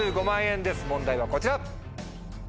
問題はこちら。